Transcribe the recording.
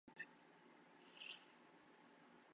Ýigidekçeler gaýta-gaýta adyny tutuberdimi, diýmek ol şehit.